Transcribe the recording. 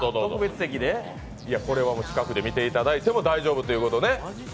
これは近くで見ていただいても大丈夫ということで。